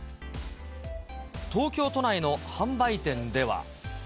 東京都内の販売店では。